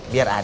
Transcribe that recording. biar aja deh